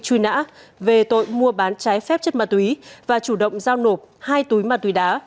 truy nã về tội mua bán trái phép chất ma túy và chủ động giao nộp hai túi ma túy đá